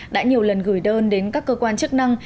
đã nhiều lần gửi đơn đến các cơ quan chức năng